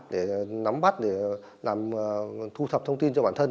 để nắm bắt để làm thu thập thông tin cho bản thân